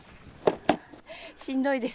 しんどいです。